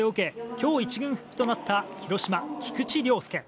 今日１軍復帰となった広島、菊池涼介。